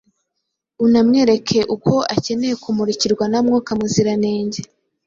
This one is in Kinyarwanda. unamwereka uko akeneye kumurikirwa na Mwuka Muziranenge.